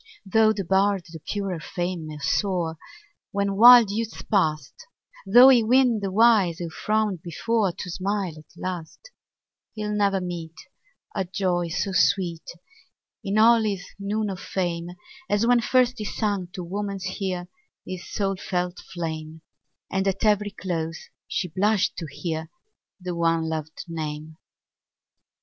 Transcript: Tho' the bard to purer fame may soar, When wild youth's past; Tho' he win the wise, who frowned before, To smile at last; He'll never meet A joy so sweet, In all his noon of fame, As when first he sung to woman's ear His soul felt flame, And, at every close, she blushed to hear The one lov'd name.